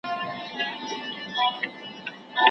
ماته له درمل او د طبیب له کوڅې مه وایه